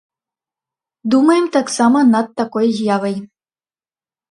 Думаем таксама над такой з'явай.